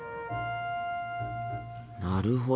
なるほど。